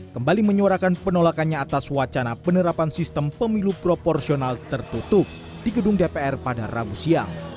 kembali menyuarakan penolakannya atas wacana penerapan sistem pemilu proporsional tertutup di gedung dpr pada rabu siang